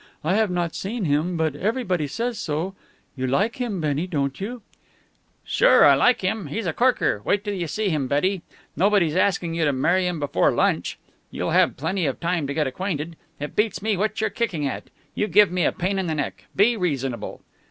I have not seen him, but everybody says so. You like him, Bennie, don't you?" "Sure, I like him. He's a corker. Wait till you see him, Betty. Nobody's asking you to marry him before lunch. You'll have plenty of time to get acquainted. It beats me what you're kicking at. You give me a pain in the neck. Be reasonable."